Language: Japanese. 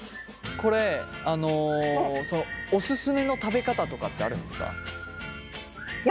これオススメの食べ方とかってあるんですか？